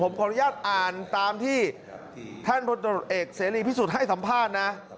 ผมขออนุญาตอ่านตามที่ท่านพลตรวจเอกเสรีพิสุทธิ์ให้สัมภาษณ์นะ